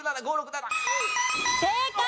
正解！